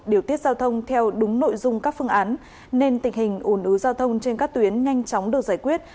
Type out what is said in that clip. điều tiết giao thông theo đúng nội dung các phương án nên tình hình ủn ứ giao thông trên các tuyến nhanh chóng được giải quyết